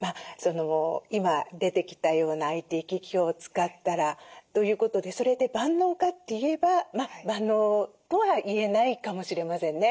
今出てきたようなＩＴ機器を使ったらということでそれで万能かといえば万能とは言えないかもしれませんね。